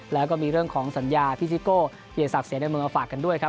แล้วก็มีเรื่องของสัญญาภิสิโก้เยษักเสนอเมืองมาฝากกันด้วยครับ